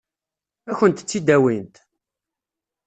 Ad kent-tt-id-awint?